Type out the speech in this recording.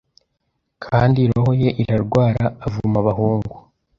Kandi roho ye irarwara avuma Abahungu